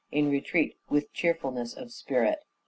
in retreat (with) cheerfulness of spirit."